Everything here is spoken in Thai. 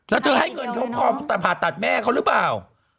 แล้วเธอให้เงินเขาพอผ่าตัดแม่เขาหรือเปล่า